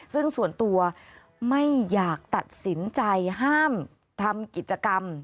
ซึ่งส่วนตัวไม่อยากตัดสินใจห้ามทำกิจกรรม